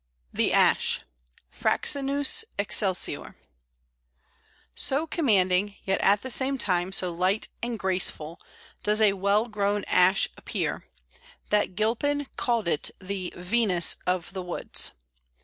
] The Ash (Fraxinus excelsior). So commanding, yet at the same time so light and graceful, does a well grown Ash appear, that Gilpin called it the "Venus of the Woods."